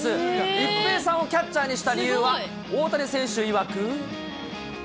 一平さんをキャッチャーにした理由は、大谷選手いわく。